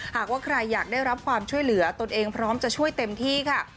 หากว่าใครอยากได้รับความช่วยเหลือตนเองพร้อมจะช่วยเต็มที่ค่ะ